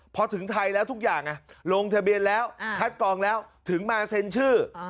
พอถึงไทยแล้วทุกอย่างลงทะเบียนแล้วคัดกองแล้วถึงมาเซ็นชื่อ